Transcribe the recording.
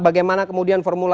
bagaimana kemudian formulanya